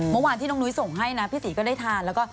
เมื่อวานที่น้องนุ้ยส่งให้นะพี่ศรีก็ได้ทานแล้วก็